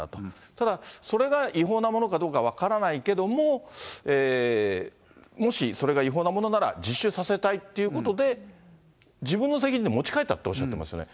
ただそれが違法なものかどうか分からないけども、もしそれが違法なものなら自首させたいということで、自分の責任で持ち帰ったっておっしゃってますよね。